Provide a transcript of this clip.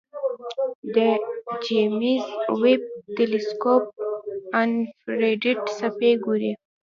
د جیمز ویب تلسکوپ انفراریډ څپې ګوري.